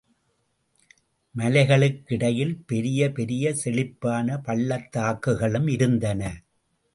மலைகளுக்கிடையில் பெரிய பெரிய செழிப்பான பள்ளத்தாக்குகளும் இருந்தன.